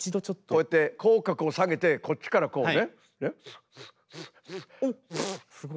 こうやって口角を下げてこっちからこうね。